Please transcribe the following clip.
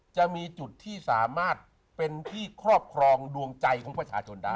จะมีจุดที่สามารถเป็นที่ครอบครองดวงใจของประชาชนได้